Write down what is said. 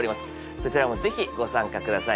そちらもぜひご参加ください